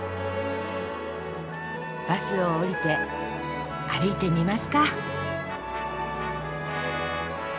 バスを降りて歩いてみますか。